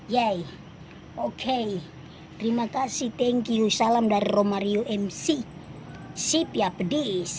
yeay oke terima kasih thank you salam dari romario mc sip ya pedis